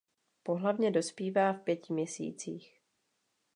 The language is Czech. Pohlavně dospívá v pěti měsících.